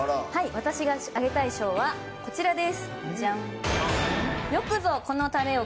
私があげたい賞はこちらです。